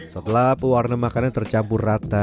setelah pewarna makanan tercampur rata